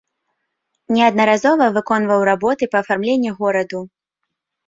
Неаднаразова выконваў работы па афармленні гораду.